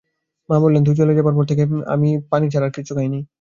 মা বললেন, তুই চলে যাবার পর থেকে আমি পানি ছাড়া আর কিছু খাইনি।